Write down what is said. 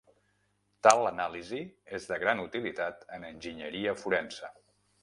Tal anàlisi és de gran utilitat en enginyeria forense.